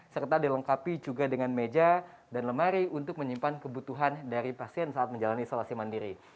serta dilengkapi juga dengan meja dan lemari untuk menyimpan kebutuhan dari pasien saat menjalani isolasi mandiri